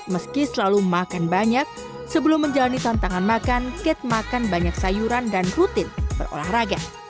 meski selalu makan banyak sebelum menjalani tantangan makan kete makan banyak sayuran dan rutin berolahraga